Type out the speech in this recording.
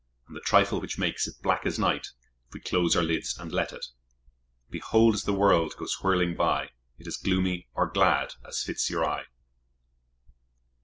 And the trifle which makes it black as night, If we close our lids and let it! Behold, as the world goes whirling by, It is gloomy, or glad, as it fits your eye.